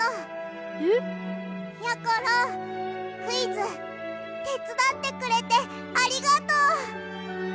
クイズてつだってくれてありがとう！